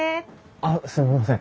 あっすみません。